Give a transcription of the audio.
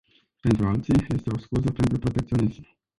Pentru alții, este o scuză pentru protecționism.